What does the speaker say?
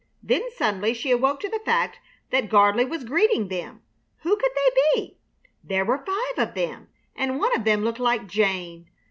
Then suddenly she awoke to the fact that Gardley was greeting them. Who could they be? There were five of them, and one of them looked like Jane!